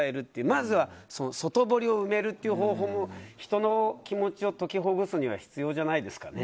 まず、外堀を埋める方法も人の気持ちを解きほぐすには必要じゃないですかね？